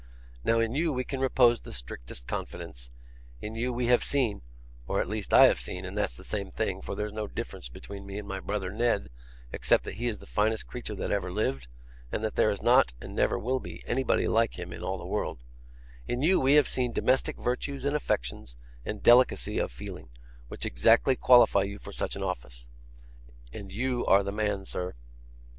Now, in you we can repose the strictest confidence; in you we have seen or at least I have seen, and that's the same thing, for there's no difference between me and my brother Ned, except that he is the finest creature that ever lived, and that there is not, and never will be, anybody like him in all the world in you we have seen domestic virtues and affections, and delicacy of feeling, which exactly qualify you for such an office. And you are the man, sir.